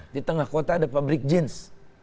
di tengah kota ada pabrik jeans